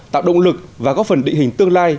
tạo động lực và góp phần định hình tương lai